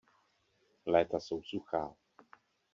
Léta jsou suchá.